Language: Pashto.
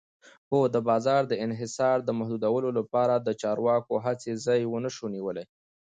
خو د بازار د انحصار د محدودولو لپاره د چارواکو هڅې ځای ونشو نیولی.